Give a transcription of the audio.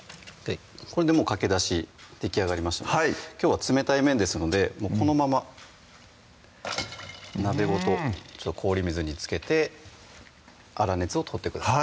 これでもうかけだしできあがりましたのできょうは冷たい麺ですのでこのまま鍋ごと氷水につけて粗熱を取ってください